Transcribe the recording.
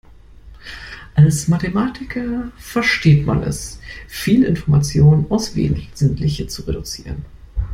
Als Mathematiker versteht man es, viel Information aufs Wesentliche zu reduzieren.